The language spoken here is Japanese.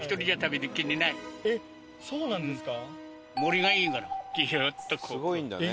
そうなんですね。